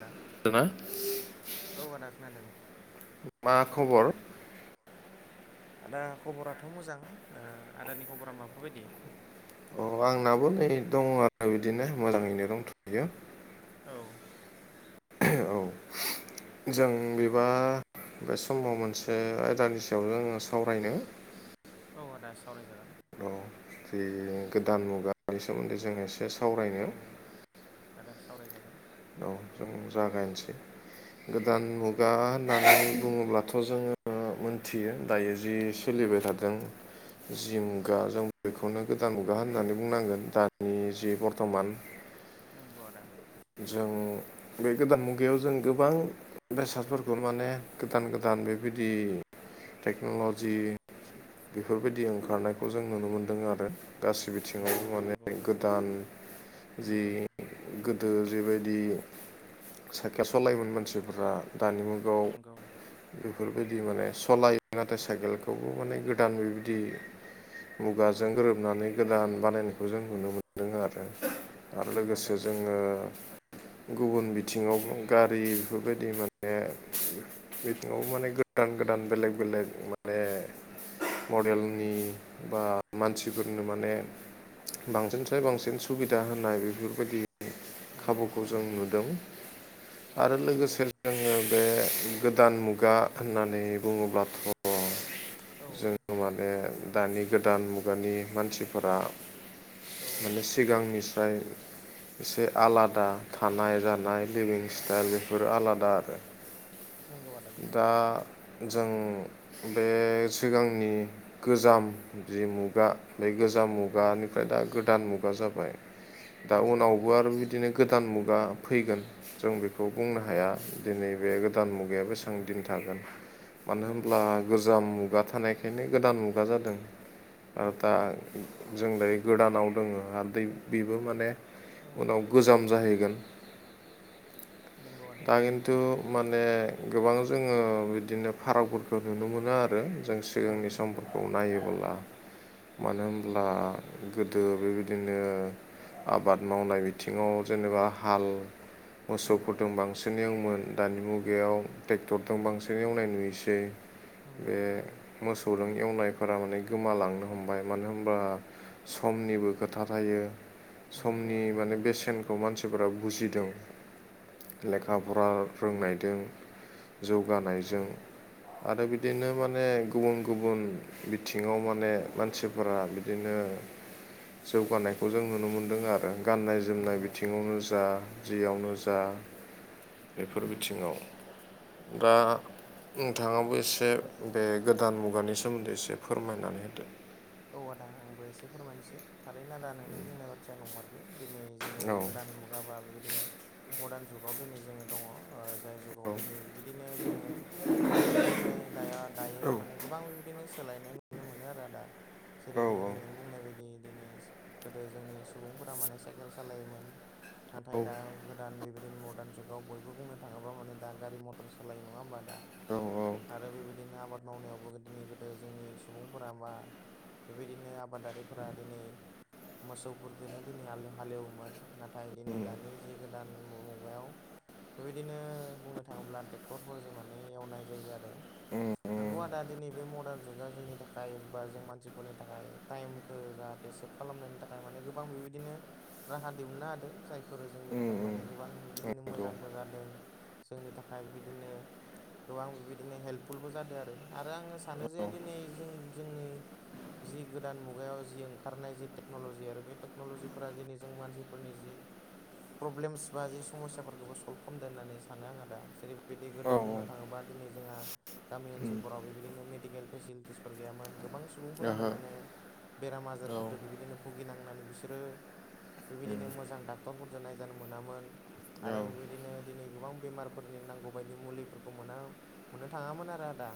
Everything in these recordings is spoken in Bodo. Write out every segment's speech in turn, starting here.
हा ना औ आदा खोनादों मा खबर आदा खबराथ' मोजां आदानि खबरा माबाफोर बायदि अ आंनाबो नै दङ आरो बिदिनो मोजाङैनो दंथ'यो औ औ जों बेबा बे समाव मोनसे आयदानि सायाव आङो सावरायनो औ आदा सावराय जागोन औ जि गोदान मुगानि सोमोन्दै जोङो एसे सावरायनो औ आदा सावरायजागोन औ जों जागायनोसै औ गोदान मुग गा होननानै बुङोब्लाथ' जोङो मोनथियो दायो जि औ सोलिबाय थादों जिंगा जों बेखौनो गोदान मुगा औ होननानै बुंनांगोन दानि जि बर्थमान नंगौ आदा जों बे गोदान मुगायाव जों गोबां बेसादफोरखौ माने गोदान गोदान बेबायदि टेक्न'ल'जि बेफोरबायदि ओंखारनायखौ जों नुनो मोन्दों आरो गासै बिथिङाव नंगौ आदा माने नंगौ गोदान जि नंगौ गोदो जैबायदि साइखेल सलायोमोन मानसिफोरा दानि मुगाव नंगौ बेफोरबायदि माने सालायो नाथाय साइकेलखौबो माने गोदान बेबायदि औ मुगाजों गोरोबनानै गोदान बानायनायखौ जों नुनो मोनदों आरो आरो नंगौ आदा लोगोसे नंगौ जोङो गुबुन बिथिङावबो गारि बेफोरबायदि माने बिथिङावबो माने गोदान गोदान बेलेग बेलेक माने मडेलनि बा मानसिफोरनो माने बांसिनफ्राय बांसिन सुबिदा होनाय बेफोरबायदि नंगौ खाबुखौ आदा जों नंगौ नुदों आरो नंगौ लोगोसे जोङो बे गोदान मुगा होननानै बुङोब्लाथ' औ जोङो माने दानि गोदान मुगानि मानसिफोरा औ माने सिगांनिफ्राय एसे आलादा थानाय जानाय लिभिं स्टाइल बेफोरो आलादा आरो नंगौ आदा नंगौ दा जों बे सिगांनि गोजाम जि मुगा बे गोजाम औ मुगानिफ्राय दा गोदान मुगा जाबाय दा नंगौ आदा उनावबो आरो बिदिनो गोदान मुगा फैगोन जों बेखौ बुंनो नंगौ हाया दिनै बे गोदान मुगाया नंगौ बेसेबां दिन थागोन मानो औ होनब्ला गोजाम मुगा थानायखायनो गोदान मुगा जादों औ आरो दा औ जों दायो गोदानाव दङ आरो दैै बेबो माने औ उनाव गोजाम जाहैगोन नंगौ आदा दा नंगौ खिन्थु माने गोबां जोङो बिदिनो फारागफोरखौ नुनो मोनो आरो। जों औ सिगांनि नंगौ समफोरखौ नायोबोला मानो होनब्ला गोदो बेबायदिनो आबाद मावनाय बिथिङाव जेनेबा हाल नंगौ मोसौफोरदों बांसिन एवोमोन दानि मुगायाव ट्रेक्टरदो बांसिन एवनाय नुयोसै नंगौ बे नंगौ मोसौजों एवनायफोरा माने गोमालांनो हमबाय मानो होमबा समनिबो खोथा थायो नंगौ समनि आदा माने नंगौ बेसेनखौ मानसिफोरा बुजिदों औ लेखा फरा फोरोंनायदों औ जौगानायजों आरो बिदिनो माने गुबुन गुबुन बिथिङाव माने मानसिफोरा बिदिनो जौगानायखौ जों नुनो मोन्दों आरो गाननाय जो जोमनाय नंगौ आदा बिथिङावनो नंगौ जा जियावनो जा बेफोर औ बिथिङाव‌। दा नोंथाङाबो एसे बे गोदान मुगानि सोमोन्दै एसे फोरमायनानै होदो औ आदा आंबो एसे फोरमायनोसै थारैनो आदा नोंनि बुंनाय बाथ्राया नंमारगो दिनै जोङो औ गोदान मुगाबा बेबायदिनो मर्दान जुगाव दिनै जोङो दङ ओ जाय जुगाव औ दिनै बिदिनो जोङो गोदोनिफ्राय दाया दायो औ माने गोबां बिबायदिनो सोलायनाय नुनो मोनो आरो आदा औ जेरैबायदि नों बुंनाय बायदि दिनै गोदो जोंनि सुबुंफोरा माने साइकेल सालायोमोन नाथाय दा औ गोदान बेबायदिनो मरदान जुगाव बयबो बुंनो थाङोब्ला माने दा गारि मथर सालायो नङा होनोमबा दा औ औ आरो बेबायदिनो आबाद मावनायावबो दिनि गोदो जोंनि सुबुंफोरा मा बेबायदिनो आबादारिफोरा दिनै मोसौफोरदोनो दिनै हालेव हालेवोमोन नाथाय दिनै उम दानि जि गोदान मु-मु मुगायाव बेबायदिनो बुंनो थाङोब्ला ट्रेक्टरफोरजों माने एवनाय जायो आरो। उम उम नंगौ आदा दिनै बे मदान जुगा जोंनि थाखाय बा जों मानसि फोरनि थाखाय टाइमखौ जाहाथे सेभ खालामनायनि थाखाय माने गोबां बेबायदिनो राहा दिहुनना होदो जायफोर जोंनि उम थाखाय उम माने गोबां बिदिनो नंगौ मोजांबो औ जादो जोंनि थाखाय बिदिनो गोबां बेबायदिनो हेपफुलबो जादों आरो आरो आङो सानो औ जे दिनै जों जोंनि जि गोदान मुगायाव जि ओंखारनाय जि टेक्न'लजि आरो बे टेक्न'ल'जिफोरा दिनै जों मानसिफोरनि जि प्रब्लेमस बा जि समस्याफोरखौबो सल्भ खामदो होननानै सानो आं दा जेरैबायदि गोदो बुंनो थाङोबा दिनै जोंहा गामि उम ओनसोलफोराव बेबायदिनो मेडिकेल फेसिलिटिसफोर गोयामोन गोबां सुबुं फोरानो ओहो माने बेराम औ आजारफोरदो बेबायदिनो भुगिनांनानै बिसोरो उम बेबायदिनो मोजां डाक्टरफोरजों नायजानो मोनामोन। औ आरो बेबायदिनो दिनै गोबां बेमारफोरनि नांगौबायायदि मुलिफोरखौ मोना मोननो थाङामोन आरो आदा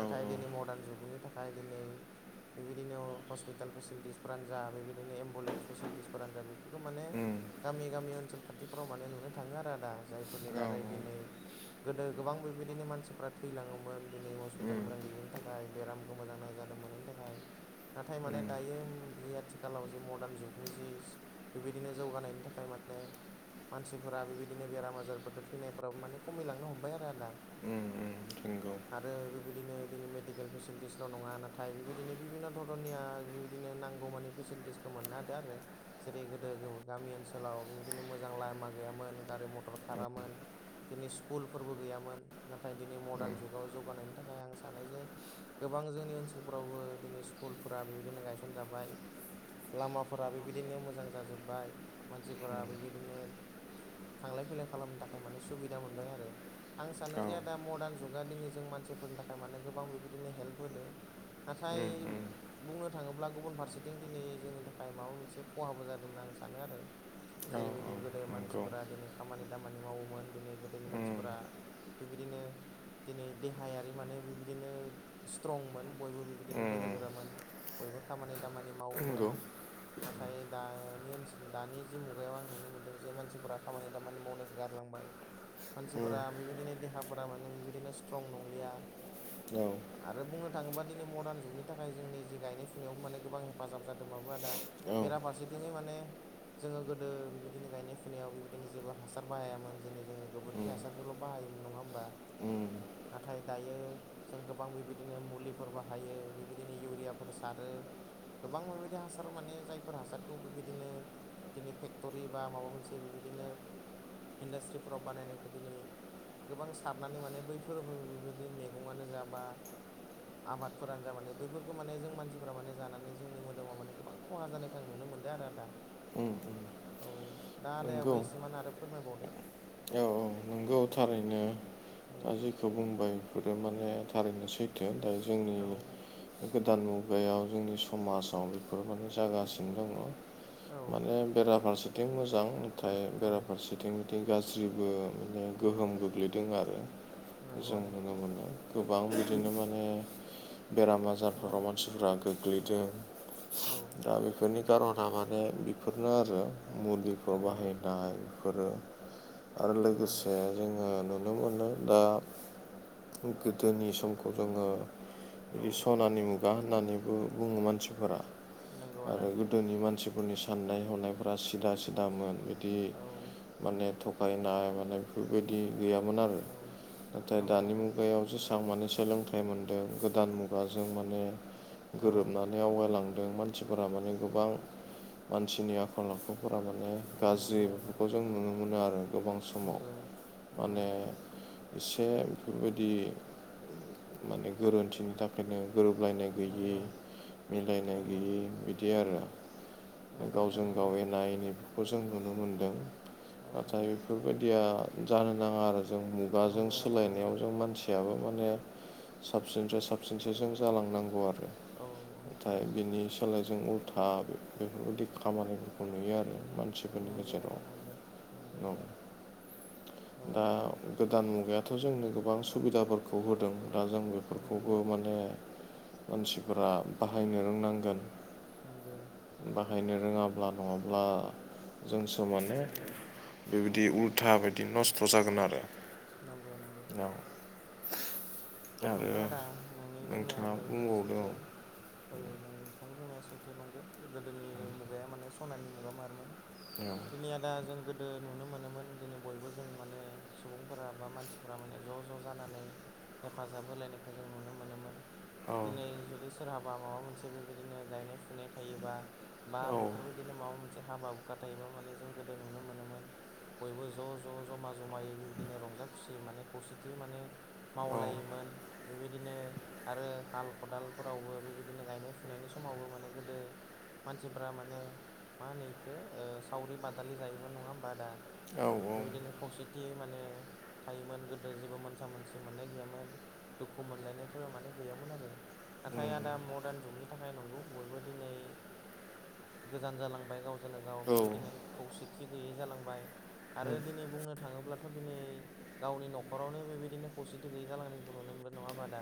नाथाय दिनै मदान जुगनि थाखाय दिनै बेबायदिनो ह-हस्पिटाल फेसिलिटिसफ्रानो जा बेबायदिनो एम्बुलेन्स फेसिलिटिस फोरानोजा बेफोरखौ माने उम गामि गामि ओनसोल खान्थिफ्राव माने नुनो थाङो आरो आदा जाय फोरनि औ दारै दिनै गोदो गोबां बेबायदिनो मानसिफ्रा थैलाङोमोन दिनै हस्पिटाल उम मोजां गैयिनि थाखाय बेरामखौ मोजां नायजानो मोनैनि बेनिन थाखाय नाथाय माने उम दायो बे आथिखालाव जि मरदान जुगनि जि बेबायदिनो जौगानायनि थाखाय माने मानसिफोरा बेबायदिनो बेराम आजारफोरदो थैनायफ्राबो माने खमिलांनो हमबाय आरो आदा। ओम ओम नंगौ आरो बेबायदिनो दिनै मेडिकेल फेसिलिटिसल' नङा नाथाय बेबाय -दिनो बिभिन्न' धरननिया बिदिनो नांगौमानि फेसिलिटिसखौ मोननो हादों आरो। जेरै गोदो गामि ओनसोलाव बेबायदिनो मोजां लामा गैयामोन गारि मथर खारामोन दिनै स्कुलफोरबो गैयामोन नाथाय दिनै मदार्न जुगाव जौवगानायनि थाखाय आं सानो जे गोबां जोंनि ओनसोलफोरावबो दिनै स्कुलफोरा बेबायदिनो गायसनजाबाय लामाफोरा बेबायदिनो मोजां जाजोब्बाय मानसिफोरा बेबायदिनो थांलाय फैलाय खालामनो थाखाय माने सुबिदा मोनबाय आरो आं औ सानो जे आदा मडार्न जुगा दिनै जों मानसिफोरनि थाखाय माने गोबां बेबायदिनो हेल्प होदो। फ्राय उम उम बुंनो थाङोब्ला गुबुन फारसेथिं दिनै जोंनि थाखाय माबा मोनसे खहाबो जादों होनना आं सानो आरो। औ जेरैबायदि गोदो नंगौ मानसिफोरा दिनै खामानि दामानि मावोमोन दिनै गोदोनि उम मानसिफोरा बेबायदिनो दिनै देहायारि माने बेबायदिनो स्ट्रंमोन बयबो बिदिनो उम बोलोगोरामोन बयबो खामानि दामानि नंगौ उम मावोमोन औ नाथाय दानि ओनसोल दानि जि मुगायाव आं नुनो मोनदों जे मानसिफोरा खामानि दामानि मावनायखौ गारलांबाय। [unintelligible] मानसिफोरा बेबायदिनो देहाफोरा माने बेबायदिनो स्ट्रं नंलिया औ आरो बुंनो थाङोबा दिनै मडार्न जुगनि थाखाय जोंनि जि गायनाय फुनायाव माने गोबां हेफाजाब जादोंबाबो आदा औ बेेरा फारसे बिदिनो माने जोंङो गोदो बिबायदिनो गायनाय फुनायाव बेबायदिनो जेबो हासार बाहायामोन दिनै जोङो गोबोरखि हासारखौल' बाहायोमोन नङा होमबा। उम नाथाय दायो जों गोबां बेबायदिनो मुलिफोर बाहायो बेबायदिनो इउरियाफोर सारो गोबां बेबायदि हासार माने जायफोर हासारखौ बेबायदिनो दिनै फेक्ट'रि बा माबा मोनसे बेबायदिनो इन्डास्ट्रिफोराव बानायनायखौ दिनै गोबां सारनानै माने बैफोर बेबायदि मैगंआनो जा बा आबादफोरानो जा मान बेफोरखौ माने जों मानसिफ्रा माने जानानै जोंनि मोदोमाव माने गोबां खहा जानायखौ आं नुनो मोनदों आरो आदा। उम औ दा नंगौ आदायाबो एसेमान आरो फोरमायबावदो? औ औ नंगौ थारैनो औ दा जे- -खौ बुंबाय बेफोरो माने थारैनो सैथो। दा जोंनि औ गोदान मुगायाव जोंनि समाजाव बेफोर माने जागासिनो दङ। औ माने बेराफारसेथिं मोजां नाथाय औ बेराफारसेथिं बिदि गाज्रिबो माने औ गोहोम गोग्लैदों आरो नंगौ जों आदा नुनो मोनो। गोबां बिदिनो माने बेराम औ आजारफोराव मानसिफ्रा गोग्लैदों। औ दा बेफोरनि खार'ना माने बेफोरनो आरो औ मुलिफोर बाहाय- -नाय बेफोरो आरो औ लोगोसे जोङो नुनो मोनो दा गोदोनि समखौ जोङो औ बिदि सनानि मुगा होननानैबो बुङों मानसिफोरा नंगौ आदा आरो गोदोनि मानसिफोरनि साननाय हनायफ्रा सिदा सिदामोन बिदि औ माने थगायनाय माने बेफोरबायदि गैयामोन आरो। औ नाथाय नंगौ दानि आदा मुगायावसो माने सोलोंथाइ मोनदों गोदान मुगाजों माने औ गोरोबनानै आवगायलांदों मानसिफोरा माने गोबां मानसिनि आखल आखुफोरा माने गाज्रि नंगौ आदा बेफोरखौ जों नुनो मोनो आरो। गोबां समाव नंगौ औ माने एसे बेफोरबायदि माने गोरोन्थिनि थाखायनो गोरोबलायनाय गैयि नंगौ मिलायनाय नंगौ गैयि बिदि आरो। नंगौ आदा गावजों नंगौ गाव एना एनि खौ जों नुनो मोनदों औ नाथाय बेफोरबायदिया जानो नाङा आरो जों बा जों नंगौ आदा नंगौ सोलायनायाव जों मानसि फयाबो माने साबसिननिफ्राय साबसिनसो जों जालांनांगौ आरो। औ ओं नाथाय ओं बिनि सोलाय जों उल्था बेदि खामानिफोरखौ नुयो आरो मा मानसिफोरनि नंगौ गेजेराव आदा नंगौ नंगौ दं औ दा गोदान मुगायाथ' जोंनो गोबां सुबिदाफोरखौ होदों दा जों बे नंगौ बेफोरखौबो माने मानसिफोरा बाहायनो रोंनांगोन नंगो बाहायनो रोंङाब्ला नङाब्ला जोंसो औ माने बेबायदि उद गोथा बायदि नस्थ' जागोन आरो नंगौ नंगौ नंगौ आरो आदा नोंनि नोंथाङा बुंनायाबो बुंबावदों सैथो। औ नोंथां बुंनाया सैथे नंगौ। गोदोनि मुगाया माने सनानि मुगा मारमोन। औ दिनै आदा जों गोदो नुनो मोनोमोन दिनै बयबो जों माने सुबुंफोरा बा मानसिफोरा माने ज' ज' जानानै हेफाजाब होलायनायखौ जों नुनो मोनोमोन औ दिनै जुदि सो सोरहाबा माबा मोनसे बेबायदिनो गायनाय फुनाय थायोबा बा औ बेफोरबायदिनो माबा मोनसे हाबा हुखा थायोबा जों गोदो नोयोमोन बयबो ज' ज ज' ज'मा जमायै बेबायदिनो रंजा खुसियै माने खौसेथि माने औ मावलायो मोन बेबायदिनो आरो हाल खदालफोरावबो बेबायदिनो गायनाय फुनायनि समावबो माने गोदो मानसिफ्रा माने मा होनो बेखौ सावरि बादालि जायोमोन नङा होमबा दा बेबायदिनो खौसेथि माने थायोमोन गोदो जेबो मोनसा मोनसि मोननाय गैयामोन दुखु मोनलायनायफोरा माने गैयामोन आरो नाथाय आदा मडार्न जुगनि थाखाय नंगौ बयबो दिनै गोजान जालांबाय गावजोंनो गाव औ बेबायदिनो खौसेथि गैयै जालांबाय आरो दिनै बुंनो थाङोब्ला थ' दिनै गावनि न'खरावनो बेबायदिनो खौसेथि गैयै जालांनायखौ नुनो मोनदों नङा बादा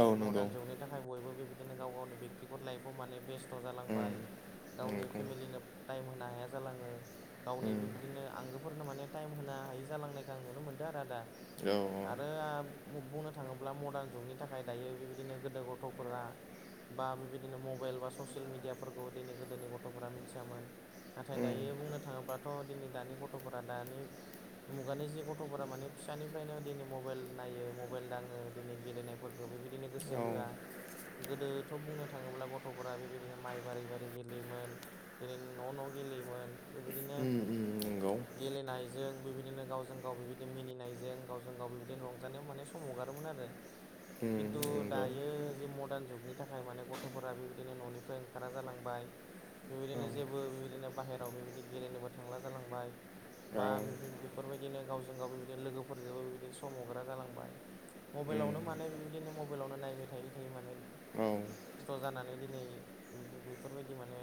औ नंगौ मर्डार्न जुगनि थाखाय बयबो बेबायदिनो गाव गावनि बेक्तिगत लाइफआव माने बेस्ट खस्थ' जालांबाय गावनि फेमिलिनो टाइम होनो हाया जालाङो गावनि बेबायदिनो आंगोफोरनो माने टाइम होनो हायि जालांनायखौ आं नुनो मोनदों आरो आदा आरो आ बुंनो थाङोब्ला मडार्न जुगनि थाखाय दायो बेबायदिनो गोदो गथ'फोरा बा बेबायदिनो मबाइल बा ससियेल मिडियाफोरखौ दिनै गोदोनि गथ'फोरा मिथियामोन नाथाय दायो बुंनो थाङोब्लाथ' दिनै दानि गथ'फोरा दानि मुगानि जि गथ'फोरा माने फिसानिफ्रायनो दिनै मबाइल नायो मबाइल दाङो दिनै गेलेनायफोरखौ बेबायदिनो गोसो होआ गोदोथ' बुंनो थाङोब्ला गथ'फोरा बेबायदिनो माइ बारि बारि गेलेयोमोन जेरै न' न' गेलेयोमोन बेबायदिनो गेलेनाय जों बेबायदिनो गावजों गाव बिबायदि मिनिनायजों गावजों गाव बिबायदिनो रंजानायाव माने सम हगारोमोन आरो खिन्थु दायो जे म दारन जुगनि थाखाय माने गथ'फोरा बेबायदिनो न'निफ्राय ओंखारा जालांबाय बेबायदिनो जेबो बेबायदिनो बाहेरायाव बेबायदि गेलेनोबो थांला जालांबाय बा बेफोर बेफ बेफोरबायदिनो गावजों गाव बिबायदिनो लोगोफोरजोंबो बिदिनो सम हग्रा जालांबाय मबाइलावनो माने बेबायदिनो मबाइलावनो नायबाय थायै थायो माने औ खस्थ' जानानै दिनै बेफोरबायदि माने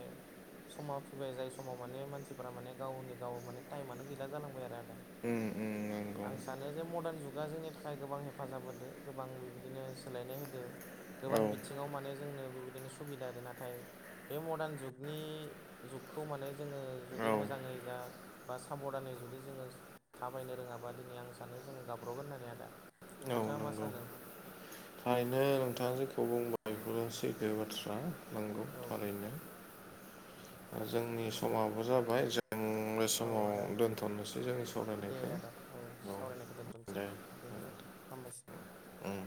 समा फैबाय जाय समाव माने मानसिफोरा माने गावनि गाव माने टाइमानो गैला जालांबाय आरो आदा नंगौ आं सानो जे मडार्न जुगा जोंनि थाखाय गोबां हेल्प हेफाजाब होदो गोबां बिबायदिनो सोलायनाय होदो औ नंगौ औ गोबां बिथि सिङाव माने जोंनो बेबायदिनो सुबिदा आरो नाथाय बे मडार्न जुगनि जुगखौ माने जोङो औ जुदि नंगौ औ मोजाङै जा बा साबधानै जुदि जोङो थाबायनो रोङाबा दिनै आं सानो जोङो गाबब्र'गोन होननानै आदा। औ नोंथाङा मा नंगौ। सानो थारैनो नोंथाङा जेखौ बुंबाय बेफोरो सैथो बाथ्रा। नांगौ औ थारैनो जोंनि औ समाबो जाबाय जों बे औ आदा समाव दोनथ'नोसै जोंनि दे आदा सावरायनायखौ औ सावरायनायखौ दोनथ'सै दे दे। हामबायसै। उम